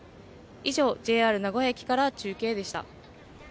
以上、ＪＲ名古屋駅から中継でした。